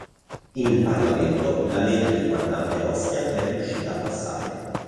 In Parlamento, la legge riguardante Ostia è riuscita a passare.